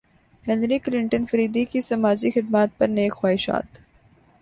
Hillary Clinton فریدی کی سماجی خدمات پر نیک خواہشات